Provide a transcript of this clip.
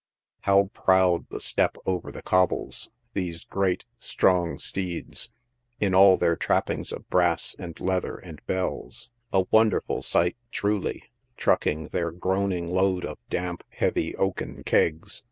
How proud the step over the cobbles, these great, strong steeds, in all their trappings of brass and leather and bells — a wonderful sight truly, trucking their groaning load of damp, heavy oaken kegs.